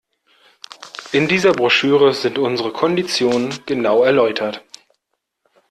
In dieser Broschüre sind unsere Konditionen genau erläutert.